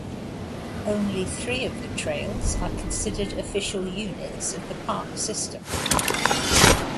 Only three of the trails are considered official units of the park system.